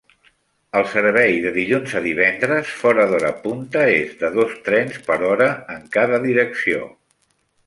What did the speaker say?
El servei de dilluns a divendres fora d'hora punta és de dos trens per hora en cada direcció.